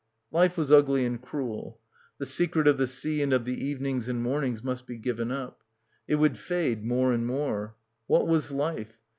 Life was ugly and cruel. The secret of the sea and of the evenings and mornings must be given up. It wiould fade more and more. What was life?